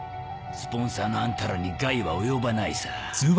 スポンサーのあんたらに害は及ばないさ。